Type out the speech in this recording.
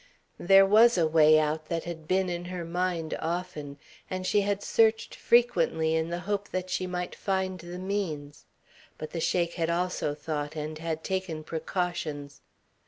There was a way out that had been in her mind often, and she had searched frequently in the hope that she might find the means. But the Sheik had also thought and had taken precautions.